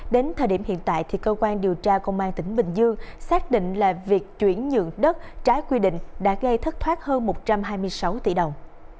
đến thời điểm hiện tại thì cơ quan điều tra công an tỉnh bình dương xác định là việc chuyển nhượng đất trái quy định đã gây thất thoát hơn một trăm hai mươi sáu tỷ đồng